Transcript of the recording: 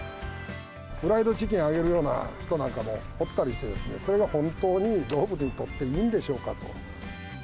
フライドチキンあげるような人なんかもおったりしてですね、それが本当に動物にとって、いいんでしょうかと。